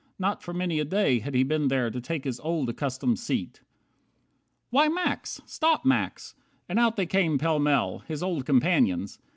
Not for many a day Had he been there to take his old, accustomed seat. 49 "Why, Max! Stop, Max!" And out they came pell mell, His old companions.